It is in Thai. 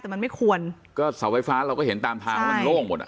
แต่มันไม่ควรก็เสาไฟฟ้าเราก็เห็นตามทางมันโล่งหมดอ่ะ